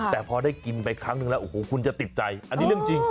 แต่พอได้กินไปครั้งนึงแล้วโอ้โหคุณจะติดใจอันนี้เรื่องจริง